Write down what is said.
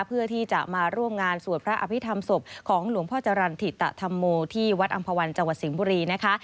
เพื่อที่จะมาร่วมงานสวดพระอภิษฐรรมศพของหลวงพ่อจรรย์ถิตธรรมโมที่วัดอำภาวันจังหวัดสิงห์บุรีนะคะ